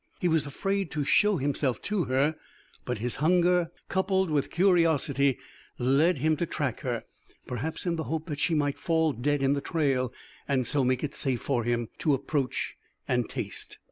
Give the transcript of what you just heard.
He was afraid to show himself to her, but his hunger, coupled with curiosity, led him to track her, perhaps in the hope that she might fall dead in the trail and so make it safe for him to approach and taste.